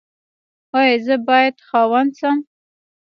ایا زه باید خاوند شم؟